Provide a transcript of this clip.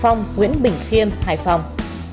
phong nguyễn bình khiêm hải phòng